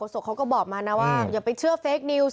สกเขาก็บอกมานะว่าอย่าไปเชื่อเฟคนิวส์